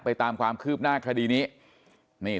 ตามความคืบหน้าคดีนี้